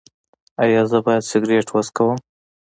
ایا زه باید سګرټ وڅکوم؟